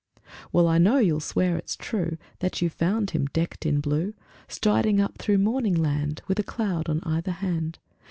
IV Well, I know you'll swear it's true That you found him decked in blue Striding up through morning land With a cloud on either hand.